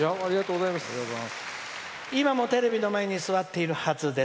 今もテレビの前に座っているはずです。